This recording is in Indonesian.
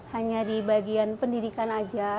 hanya di bagian pendidikan saja